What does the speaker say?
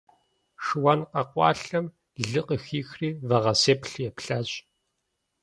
Шыуан къэкъуалъэм лы къыхихри, вагъэсеплъ еплъащ.